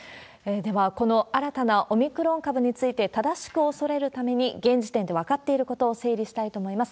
では、この新たなオミクロン株について、正しく恐れるために、現時点で分かっていることを整理したいと思います。